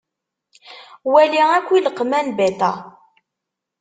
Wali akk ileqman beta.